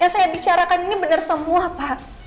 saya bicarakan ini benar semua pak